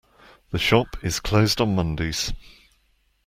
The shop is closed on Mondays.